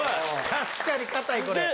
確かにかたいこれ。